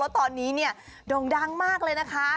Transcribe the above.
ตอนนี้เนี่ยโด่งดังมากเลยนะคะ